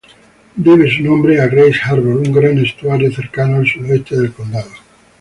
Debe su nombre a Grays Harbor, un gran estuario cercano al sudoeste del condado.